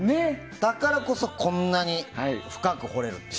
だからこそ、こんなに深く掘れる。